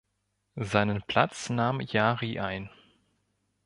Seinen Platz nahm Jari ein.